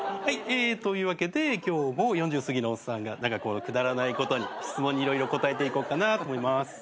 えーというわけで今日も４０すぎのおっさんがくだらないことに質問に色々答えていこうかなと思います。